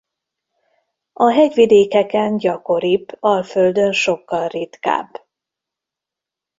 A hegyvidékeken gyakoribb Alföldön sokkal ritkább.